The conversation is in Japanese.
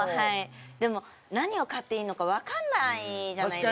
でも、何を買っていいのかわからないじゃないですか。